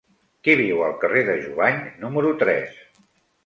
Qui viu al carrer de Jubany número tres?